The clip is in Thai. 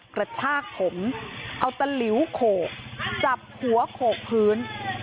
กระชากผมเอาตะหลิวโขกจับหัวโขกพื้น